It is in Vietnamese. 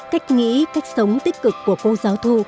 cách nghĩ cách sống tích cực của cô giáo thu